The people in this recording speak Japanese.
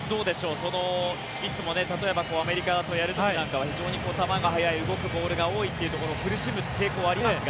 ということは例えばアメリカとやる時なんかは球が速い、動くボールが多いところに苦しむ傾向はありますが。